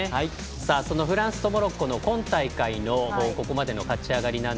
そのフランスとモロッコの今大会のここまでの勝ち上がり。